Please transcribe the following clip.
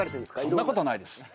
そんな事はないです。